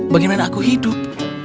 bagaimana aku hidup